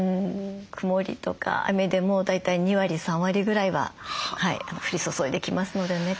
曇りとか雨でも大体２割３割ぐらいは降り注いできますのでね